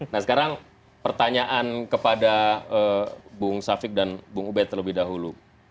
nah sekarang pertanyaan kepada bung safik dan bung ubed terlebih dahulu